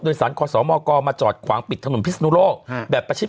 โดยสารขอสมกมาจอดขวางปิดถนนพิศนุโลกแบบประชิด